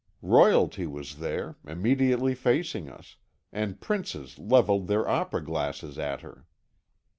"Royalty was there, immediately facing us, and princes levelled their opera glasses at her.